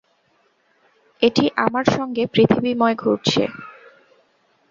এটি আমার সঙ্গে পৃথিবীময় ঘুরছে।